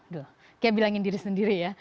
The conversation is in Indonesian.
duh kayak bilangin diri sendiri ya